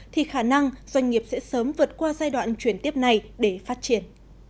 thì khả năng doanh nghiệp sẽ sớm vượt qua giai đoạn chuyển tiếp này để phát triển